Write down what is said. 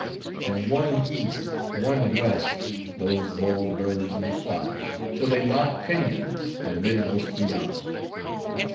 And one East, one West, those bold birds may fly, till they lock pinions in the midmost beyond.